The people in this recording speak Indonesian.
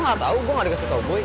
gue gak tau gue gak dikasih tau boy